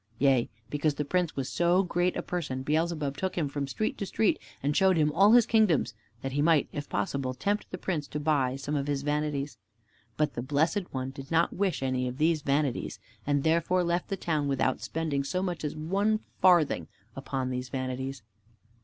Yea, because the Prince was so great a person, Beelzebub took Him from street to street and showed Him all his kingdoms, that he might, if possible, tempt the Prince to buy some of his vanities. But the Blessed One did not wish any of these vanities, and therefore left the town without spending so much as one farthing upon these vanities.